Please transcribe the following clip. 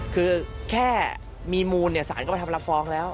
คือแค่มีมูลสารก็มาทำรับฟ้องแล้ว